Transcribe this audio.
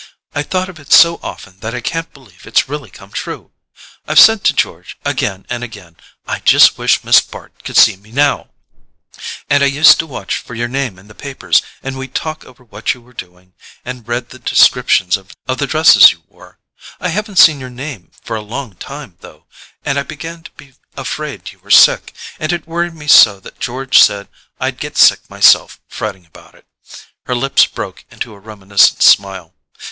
I've thought of it so often that I can't believe it's really come true. I've said to George again and again: 'I just wish Miss Bart could see me NOW—' and I used to watch for your name in the papers, and we'd talk over what you were doing, and read the descriptions of the dresses you wore. I haven't seen your name for a long time, though, and I began to be afraid you were sick, and it worried me so that George said I'd get sick myself, fretting about it." Her lips broke into a reminiscent smile.